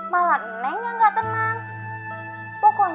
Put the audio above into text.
malah nenek yang gak tenang